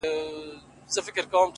o فقير نه يمه سوالگر دي اموخته کړم،